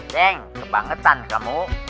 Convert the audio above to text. ceng kebangetan kamu